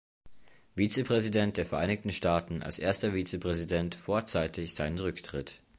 Vizepräsident der Vereinigten Staaten als erster Vizepräsident vorzeitig seinen Rücktritt.